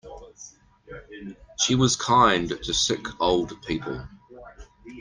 She was kind to sick old people.